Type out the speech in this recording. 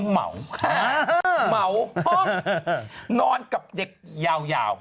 เหมาะนอนกับเด็กยาว